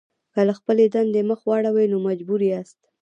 که له خپلې دندې مخ واړوئ نو مجبور یاست.